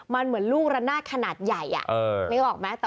มันเหมือนลูกละน่าขนาดใหญ่